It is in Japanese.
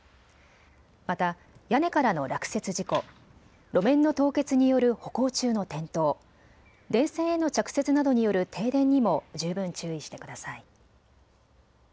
また屋根からの落雪事故、路面の凍結による歩行中の転倒、電線への着雪などによる停電にも十分注意してください。